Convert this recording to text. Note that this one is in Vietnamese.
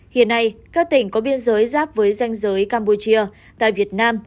hiện nay các tỉnh có biên giới giáp với danh giới campuchia tại việt nam